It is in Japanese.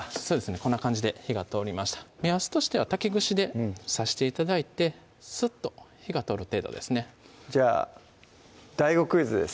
こんな感じで火が通りました目安としては竹串で刺して頂いてスッと火が通る程度ですねじゃあＤＡＩＧＯクイズです